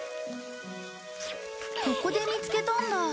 ここで見つけたんだ。